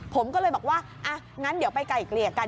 ผมก็เลยบอกว่าเดี๋ยวไปไก่เกลี่ยกัน